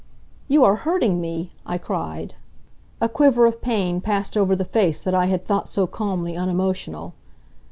"You are hurting me!" I cried. A quiver of pain passed over the face that I had thought so calmly unemotional.